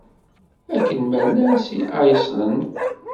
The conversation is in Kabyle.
Akken ma llan seg Island.